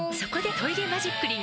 「トイレマジックリン」